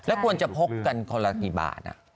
ควรจะพกกันคนละกี่บาท